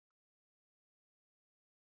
په کالام کې دا ځل ډېر يخ دی